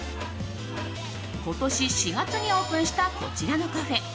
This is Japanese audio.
今年４月にオープンしたこちらのカフェ。